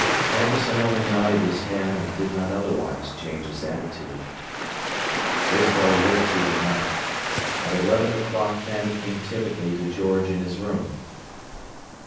Amberson only nodded his head, and did not otherwise change his attitude. Isabel lived through the night. At eleven o'clock Fanny came timidly to George in his room.